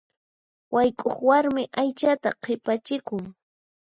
Wayk'uq warmi aychata qhipachikun.